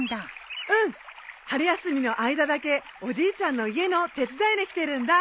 うん春休みの間だけおじいちゃんの家の手伝いに来てるんだ。